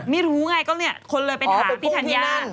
ไม่รู้ไงก็เนี่ยคนเลยไปถามพี่ธัญญา